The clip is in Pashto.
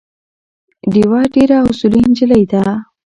ډیوه ډېره اصولي نجلی ده